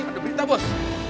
ada berita bos